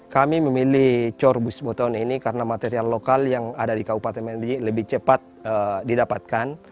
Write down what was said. kami memilih cor buis beton ini karena material lokal yang ada di kabupaten majene lebih cepat didapatkan